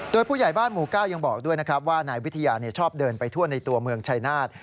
โดยผู้ใหญ่บ้านหมู่๙ยังบอกด้วยนะครับว่านายวิทยาชอบเดินไปทั่วในตัวเมืองชายนาฏ